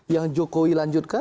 yang jokowi lanjutkan